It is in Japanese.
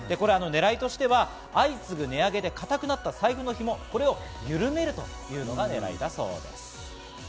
狙いとしては相次ぐ値上げでかたくなった財布のひもを緩めるというのが狙いだそうです。